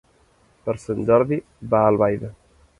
Per Sant Jordi va a Albaida.